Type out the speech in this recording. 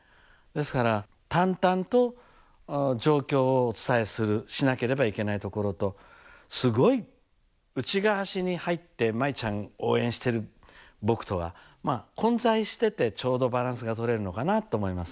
ですから淡々と状況をお伝えするしなければいけないところとすごい内側に入って舞ちゃん応援してる僕とはまあ混在しててちょうどバランスが取れるのかなと思いますね。